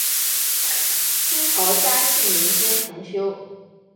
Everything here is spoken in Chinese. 清朝嘉庆年间重修。